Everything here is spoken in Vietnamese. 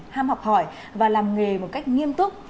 ham học hỏi và làm nghề một cách nghiêm túc